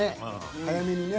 早めにね。